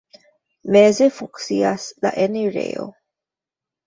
Meze funkcias la enirejo.